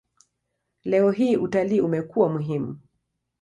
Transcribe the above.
Leo hii utalii umekuwa muhimu.